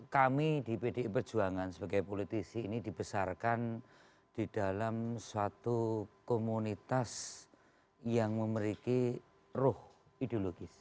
kami di pdi perjuangan sebagai politisi ini dibesarkan di dalam suatu komunitas yang memiliki ruh ideologis